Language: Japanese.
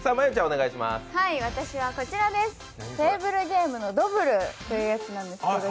私はテーブルゲームのドブルってやつなんですけど